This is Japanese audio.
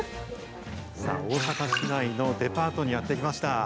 大阪市内のデパートにやって来ました。